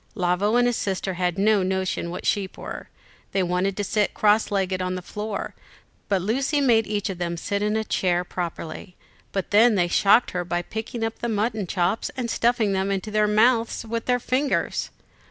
Lavo and his sister had no notion what sheep were. They wanted to sit cross legged on the floor, but Lucy made each of them sit in a chair properly; but then they shocked her by picking up the mutton chops and stuffing them into their mouths with their fingers.